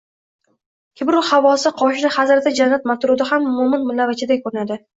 kibru havosi qoshida Hazrati jannat matrudi ham moʼmin mullavachchaday koʼrinadi.